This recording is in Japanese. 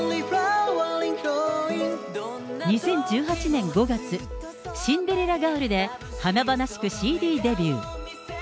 ２０１８年５月、シンデレラガールで華々しくＣＤデビュー。